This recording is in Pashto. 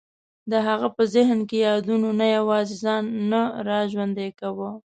د هغه په ذهن کې یادونو نه یوازې ځان نه را ژوندی کاوه.